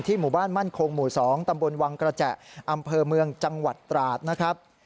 หมู่บ้านมั่นคงหมู่๒ตำบลวังกระแจอำเภอเมืองจังหวัดตราดนะครับ